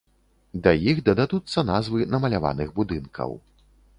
Да іх дададуцца назвы намаляваных будынкаў.